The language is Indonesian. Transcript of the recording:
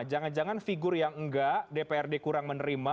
jangan jangan figur yang enggak dprd kurang menerima